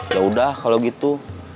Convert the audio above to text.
yaudah kalau gitu